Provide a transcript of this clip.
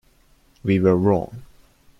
We were wrong.